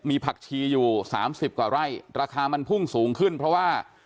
มีผักชีอยู่๓๐กว่าไร่ราคามันพุ่งสูงขึ้นเพราะว่า